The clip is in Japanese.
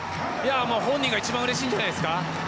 本人が一番うれしいんじゃないですか。